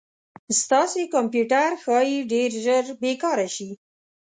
ستاسې کمپیوټر ښایي ډير ژر بې کاره شي